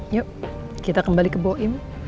yuk kita kembali ke boin